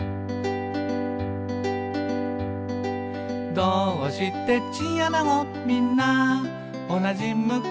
「どーうしてチンアナゴみんなおなじ向き？」